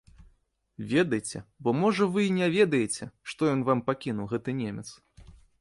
Ведайце, бо можа вы і не ведаеце, што ён вам пакінуў, гэты немец.